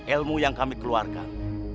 ilmu yang kami keluarkan